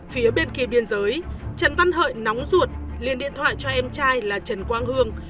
phía bên kia biên giới trần văn hợi nóng ruột liền điện thoại cho em trai là trần quang hương